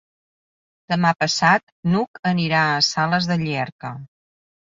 Demà passat n'Hug anirà a Sales de Llierca.